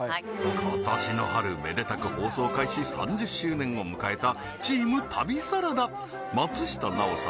今年の春めでたく放送開始３０周年を迎えたチーム旅サラダ松下奈緒様